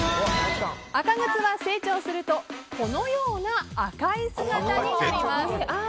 アカグツは成長するとこのような赤い姿になります。